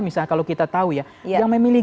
misalnya kalau kita tahu ya yang memilih